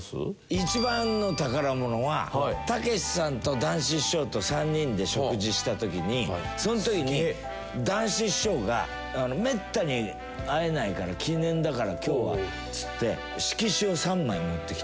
一番の宝物はたけしさんと談志師匠と３人で食事した時にその時に談志師匠がめったに会えないから記念だから今日はっつって色紙を３枚持ってきて。